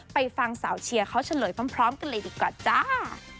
ไปฟังสาวเชียร์เขาเฉลยพร้อมกันเลยดีกว่าจ้า